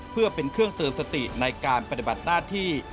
เพื่อเป็นเครื่องเตือนสติในการปฏิบัติหน้าที่